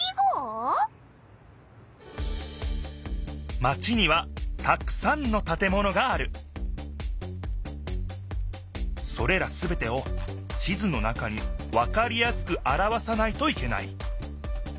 マチにはたくさんのたてものがあるそれらすべてを地図の中にわかりやすくあらわさないといけない